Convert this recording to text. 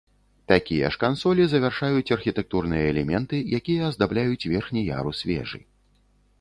Такія ж кансолі завяршаюць архітэктурныя элементы, якія аздабляюць верхні ярус вежы.